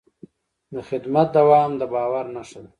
د خدمت دوام د باور نښه ده.